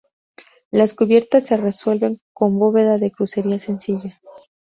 Las cubiertas se resuelven con bóveda de crucería sencilla.